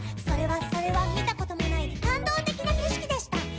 それはそれは見たこともない感動的な景色でした